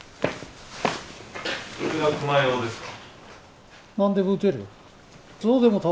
それがクマ用ですか？